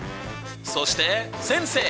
そして先生。